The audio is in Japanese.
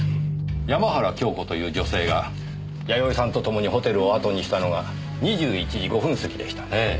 山原京子という女性がやよいさんとともにホテルをあとにしたのが２１時５分過ぎでしたねぇ。